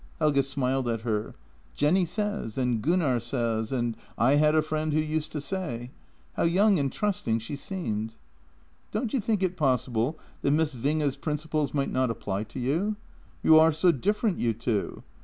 Helge smiled at her. " Jenny says," and " Gunnar says," and " I had a friend who used to say." How young and trust ing she seemed! " Don't you think it possible that Miss Winge's principles might not apply to you? You are so different, you two.